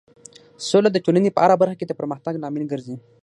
سوله د ټولنې په هر برخه کې د پرمختګ لامل ګرځي.